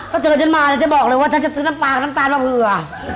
ถ้าเจอฉันมาเนี่ยฉันบอกเลยว่าฉันจะซื้อน้ำปลาน้ำตาลมาเผื่อ